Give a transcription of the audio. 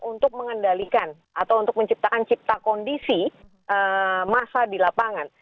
untuk mengendalikan atau untuk menciptakan cipta kondisi massa di lapangan